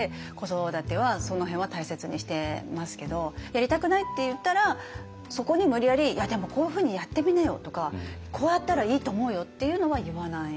「やりたくない」って言ったらそこに無理やり「いやでもこういうふうにやってみなよ」とか「こうやったらいいと思うよ」っていうのは言わない。